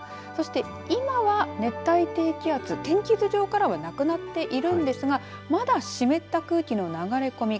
そして今は、熱帯低気圧天気図上からはなくなっているんですがまだ湿った空気の流れ込み